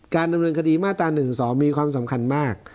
ดำเนินคดีมาตรา๑๑๒มีความสำคัญมาก